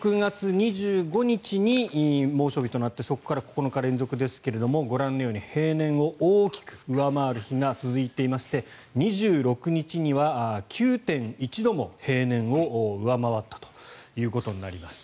６月２５日に猛暑日となってそこから９日連続ですがご覧のように平年を大きく上回る日が続いていまして２６日には９．１度も平年を上回ったということになります。